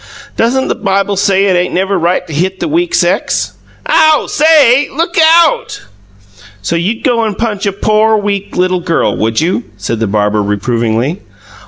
"Doesn't the Bible say it ain't never right to hit the weak sex?" "Ow! SAY, look OUT!" "So you'd go and punch a pore, weak, little girl, would you?" said the barber, reprovingly.